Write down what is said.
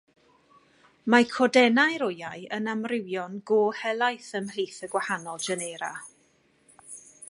Mae codennau'r wyau yn amrywio'n go helaeth ymhlith y gwahanol genera.